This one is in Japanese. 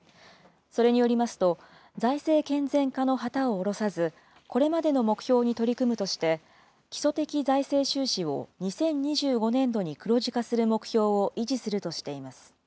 それによりますと、財政健全化の旗をおろさず、これまでの目標に取り組むとして、基礎的財政収支を２０２５年度に黒字化する目標を維持するとしています。